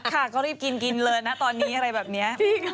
ค่ะก็รีบกินกินเลยนะตอนนี้อะไรแบบนี้